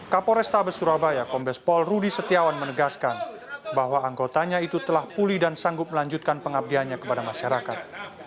kapolres tab surabaya kombes pol rudi setiawan menegaskan bahwa anggotanya itu telah pulih dan sanggup melanjutkan pengabdianya kepada masyarakat